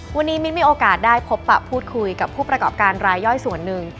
วันนี้มิ้นมีโอกาสได้พบปะพูดคุยกับผู้ประกอบการรายย่อยส่วนหนึ่ง